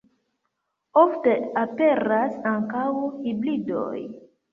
Ofte aperas ankaŭ hibridoj.